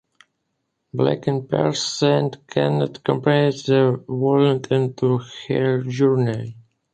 Back in Perth, Sandy cannot comprehend the violent end to her journey.